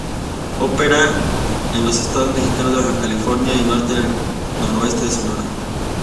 Opera en los estados mexicanos de Baja California y parte del noroeste de Sonora.